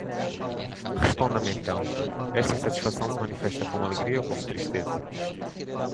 Responda-me, então: esta insatisfação se manifesta como alegria, ou como tristeza?